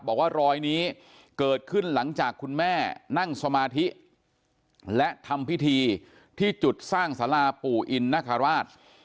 บอกว่ารอยนี้เกิดขึ้นหลังจากคุณแม่นั่งสมาธิและทำพิธีที่จุดสร้างสาราปู่อินนคราช